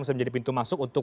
bisa menjadi pintu masuk untuk